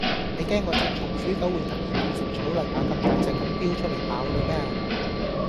你驚我隻松鼠狗會突然變成草泥馬咁大隻咁標出嚟咬你咩